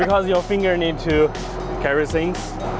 ya karena tangan anda harus membawa barang barang